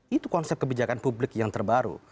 itu konsep kebijakan publik yang terbaru